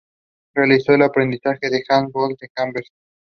Nine songs were selected to participate in the competition.